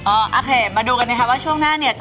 โอเคมาดูกันนะคะว่าช่วงหน้าเนี่ย